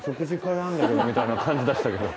みたいな感じ出したけど。